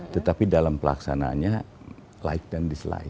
tetapi dalam pelaksanaannya like dan dislike